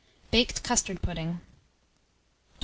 BAKED CUSTARD PUDDING. 1268.